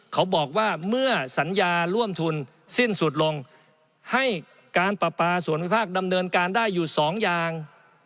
เขาบอกว่าเมื่อสัญญาร่วมทุนสิ้นสุดลงให้การปลาปลาส่วนวิภาคดำเนินการได้อยู่สองอย่าง